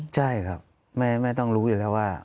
ใช่ครับแม่ต้องรู้อยู่แล้วว่า